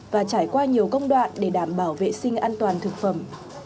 và trải qua nhiều công đoạn để đảm bảo vệ sinh an toàn thực phẩm